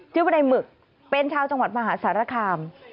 ชื่อว่าในหมึกเป็นชาวจังหวัดมหาสารคาม